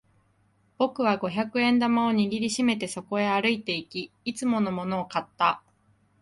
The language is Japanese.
僕は五百円玉を握り締めてそこへ歩いていき、いつものものを買った。